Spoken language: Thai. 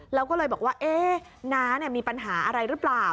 แล้วก็เลยบอกว่าน้ามีปัญหาอะไรหรือเปล่า